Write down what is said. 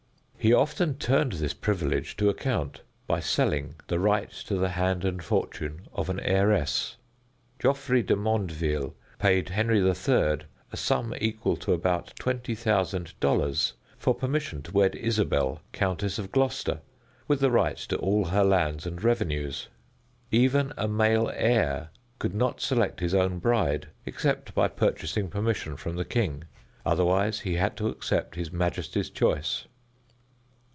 He often turned this privilege to account by selling the right to the hand and fortune of an heiress. Geoffrey de Mandeville paid Henry III. a sum equal to about twenty thousand dollars for permission to wed Isabel, countess of Gloucester, with the right to all her lands and revenues. Even a male heir could not select his own bride except by purchasing permission from the king, otherwise he had to accept his majesty's choice.